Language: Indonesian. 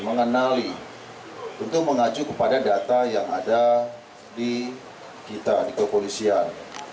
mengenali untuk mengacu kepada data yang ada di kita di kepolisian